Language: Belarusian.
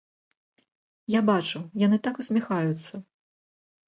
Я бачу, яны так усміхаюцца.